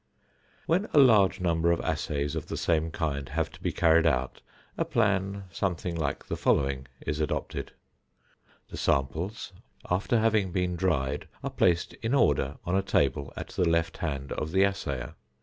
When a large number of assays of the same kind have to be carried out, a plan something like the following is adopted: The samples, after having been dried, are placed in order on a table at the left hand of the assayer.